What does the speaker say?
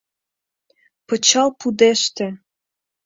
ПЫЧАЛ ПУДЕШТЕ